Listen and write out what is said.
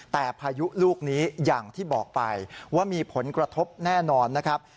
แต่พายุลูกนี้อย่างที่บอกไปว่ามีผลกระทบแน่นอนนะครับ